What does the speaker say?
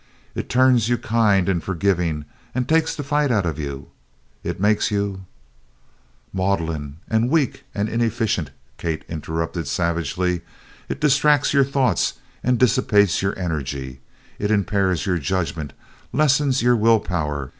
It turns you kind and forgivin' and takes the fight out o' you. It makes you " "Maudlin! And weak! And inefficient!" Kate interrupted savagely. "It distracts your thoughts and dissipates your energy. It impairs your judgment, lessens your will power.